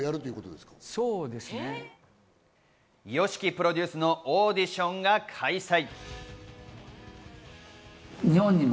ＹＯＳＨＩＫＩプロデュースのオーディションが開催。